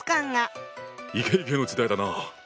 イケイケの時代だな。